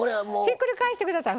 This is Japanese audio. ひっくり返して下さい。